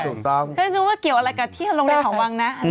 คริสต์นึกว่าเกี่ยวอะไรกับที่โรงเรียนหอวังนะ